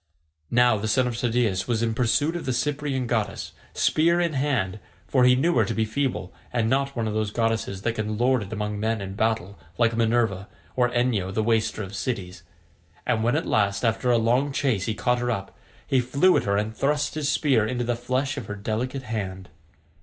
Now the son of Tydeus was in pursuit of the Cyprian goddess, spear in hand, for he knew her to be feeble and not one of those goddesses that can lord it among men in battle like Minerva or Enyo the waster of cities, and when at last after a long chase he caught her up, he flew at her and thrust his spear into the flesh of her delicate hand.